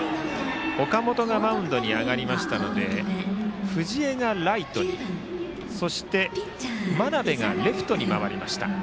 岡本がマウンドに上がりましたので藤江がライトにそして、眞邉がレフトに回りました。